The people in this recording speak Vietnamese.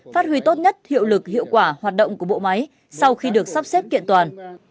phát huy tốt nhất hiệu lực hiệu lực hiệu lực hiệu lực hiệu lực hiệu lực hiệu lực hiệu lực hiệu lực